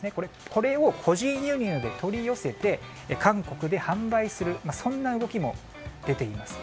これを個人輸入で取り寄せて韓国で販売するそんな動きも出ています。